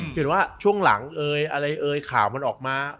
เห็นว่าช่วงหลังเอ่ยอะไรเอ่ยข่าวมันออกมา